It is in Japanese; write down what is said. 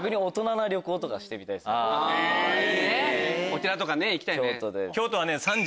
お寺とか行きたいね。